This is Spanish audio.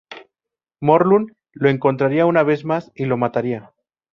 Morlun lo encontraría una vez más, y lo mataría.